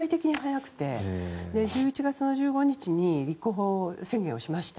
本当に例外的に早くて１１月１５日に立候補宣言をしました。